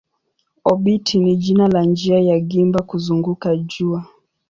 Obiti ni jina la njia ya gimba kuzunguka jua.